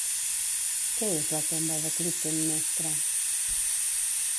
Què és la tomba de Clitemnestra?